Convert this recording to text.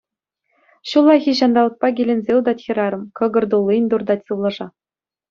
Ҫуллахи ҫанталӑкпа киленсе утать хӗрарӑм, кӑкӑр туллин туртать сывлӑша.